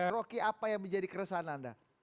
rocky apa yang menjadi keresahan anda